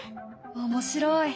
面白い！